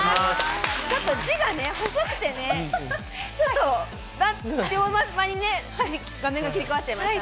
ちょっと字がね、細くてね、ちょっと、画面が切り替わっちゃいましたね。